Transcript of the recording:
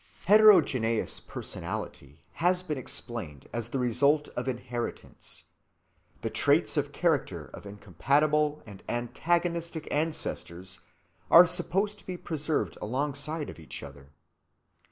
Heterogeneous personality has been explained as the result of inheritance—the traits of character of incompatible and antagonistic ancestors are supposed to be preserved alongside of each other.